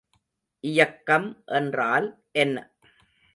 இயக்கம் என்றால் என்ன?